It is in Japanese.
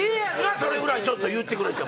それぐらいちょっと言うてくれても。